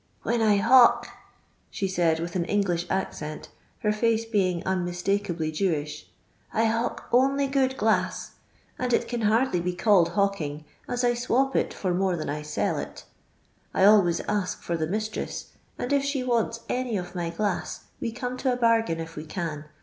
" When I hawk/' she said with an English accent, her face being nnroistikeably Jewish, I hawk only good glass, and it can hardly be called hawking, as I swop it for more than I sell it I always ask for the miitrets, and if she wants any of my gUss we come to a baigain if we can.